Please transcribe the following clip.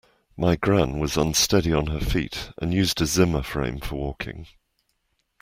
My gran was unsteady on her feet and used a Zimmer frame for walking